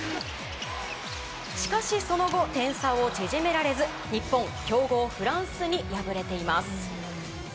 しかし、その後点差を縮められず日本、強豪フランスに敗れています。